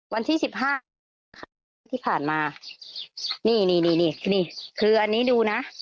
วันที่สิบห้าที่ผ่านมานี่คืออันนี้ดูนะ